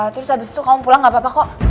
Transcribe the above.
terus abis itu kamu pulang gapapa kok